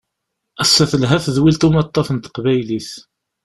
Ass-a telha tedwilt n umaṭṭaf n taqbaylit.